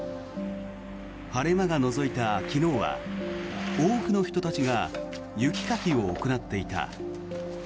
晴れ間がのぞいた昨日は多くの人たちが雪かきを行っていた。